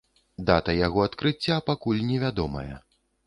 Дата яго адкрыцця пакуль невядомая.